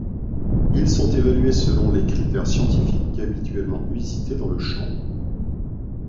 Ils sont évalués selon les critères scientifiques habituellement usités dans le champ.